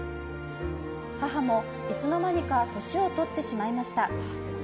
母もいつの間にか年を取ってしまいました。